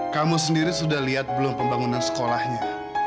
kamu sendiri sudah lihat belum pembangunan sekolahnya